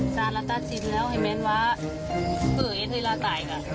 สร้างรัฐสิทธิ์แล้วให้มันว่าเพื่อเอ็ดให้ราตรายก่อน